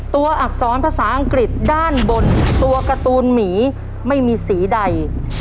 อักษรภาษาอังกฤษด้านบนตัวการ์ตูนหมีไม่มีสีใด